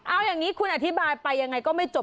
เอาอย่างนี้คุณอธิบายไปยังไงก็ไม่จบ